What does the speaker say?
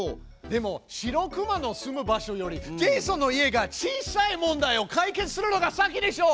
でも白くまの住む場所よりジェイソンの家が小さい問題を解決するのが先でしょ！